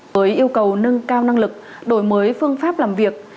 với yêu cầu nâng cao năng lực đổi mới phương pháp làm việc